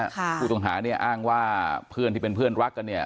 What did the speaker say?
ผู้ต้องหาเนี่ยอ้างว่าเพื่อนที่เป็นเพื่อนรักกันเนี่ย